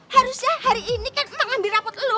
harusnya hari ini kan emak ambil rapot lo